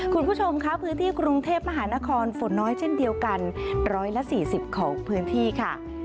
คุณผู้ชมค่ะพื้นที่กรุงเทพมหานครฝนน้อยเช่นเดียวกัน๑๔๐ของพื้นที่ค่ะ